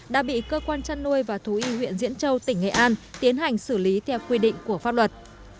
đã bị cơ quan chăn nuôi và thú y huyện diễn châu tỉnh nghệ an tiến hành xử lý theo quy định của pháp luật